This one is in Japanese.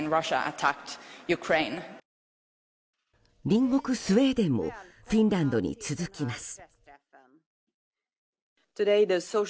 隣国スウェーデンもフィンランドに続きます。